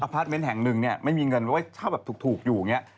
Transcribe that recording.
พาร์ทเมนต์แห่งหนึ่งเนี่ยไม่มีเงินไว้เช่าแบบถูกอยู่อย่างนี้